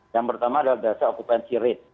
yang pertama adalah dasar okupansi rate